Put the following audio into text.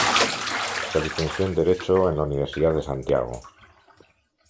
Se licenció en Derecho en la Universidad de Santiago.